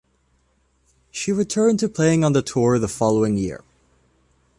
She returned to playing on the tour the following year.